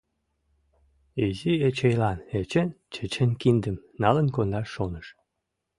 Изи Эчейлан Эчан «чечен киндым» налын кондаш шоныш.